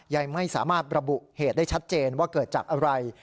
ยังไม่สามารถระบุเหตุได้ชัดเจนว่าเกิดจากอะไร